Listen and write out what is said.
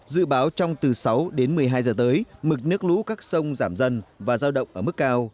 dự báo trong từ sáu đến một mươi hai giờ tới mực nước lũ các sông giảm dần và giao động ở mức cao